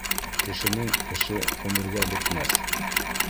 Кешенең эше ғүмергә бөтмәҫ.